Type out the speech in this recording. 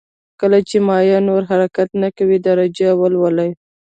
کله چې مایع نور حرکت نه کوي درجه یې ولولئ.